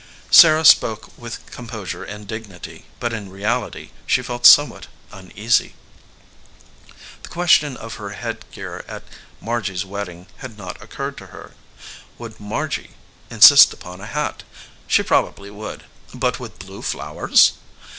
Sarah spoke with composure and dignity, but in reality she felt somewhat uneasy. The question of her headgear at Margy s wedding had not oc curred to her. Would Margy insist upon a hat? She probably would but with blue flowers?